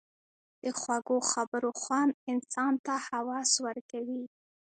د خوږو خبرو خوند انسان ته هوس ورکوي.